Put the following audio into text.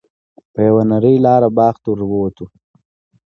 په یوه نرۍ لاره باغ ته ور ووتو.